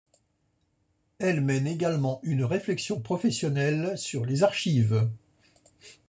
Elle mène également une réflexion professionnelle sur les archives.